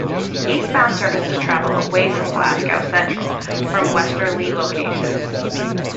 Eastbound services travel "away from" Glasgow Central from westerly locations.